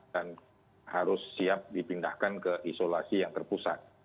dan harus siap dipindahkan ke isolasi yang terpusat